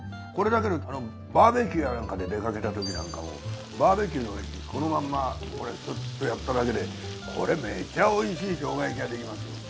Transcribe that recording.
これだけでバーベキューやなんかで出かけたときなんかもバーベキューの上にこのまんまこれスッとやっただけでこれめっちゃおいしい生姜焼きができます。